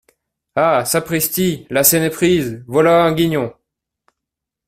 Ah ! sapristi ! la Seine est prise !… voilà un guignon !